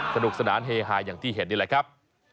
สนุกสนานเฮฮายอย่างที่เห็นเลยครับ